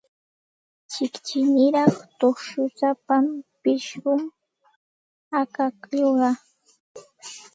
Chiqchiniraq tupshusapa pishqum akaklluqa.